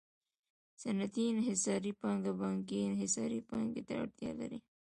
صنعتي انحصاري پانګه بانکي انحصاري پانګې ته اړتیا لري